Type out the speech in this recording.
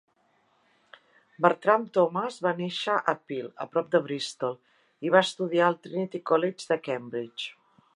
Bertram Thomas va néixer a Pill, a prop de Bristol, i va estudiar al Trinity College de Cambridge.